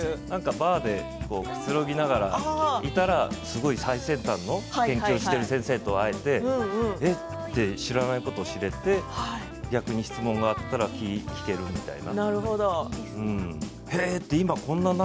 なんかバーでくつろぎながらしていたら最先端の勉強している先生と会えて知らないことを知ることができて逆に質問があったら聞けるみたいな。